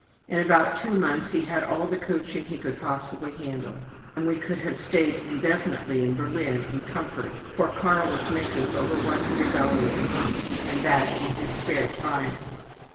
In about two months he had all the coaching he could possibly handle, and we could have stayed indefinitely in Berlin in comfort, for Carl was making over one hundred dollars a month, and that in his spare time.